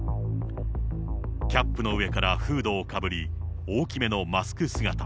キャップの上からフードをかぶり、大きめのマスク姿。